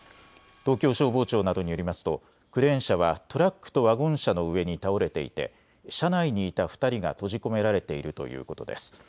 東京消防庁などによりますとクレーン車はトラックとワゴン車の上に倒れていて車内にいた２人が閉じ込められているということです。